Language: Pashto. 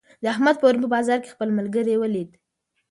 احمد پرون په بازار کې خپل ملګری ولید.